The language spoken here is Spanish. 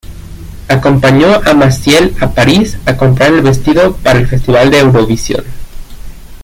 Acompañó a Massiel a París a comprar el vestido para el festival de Eurovisión.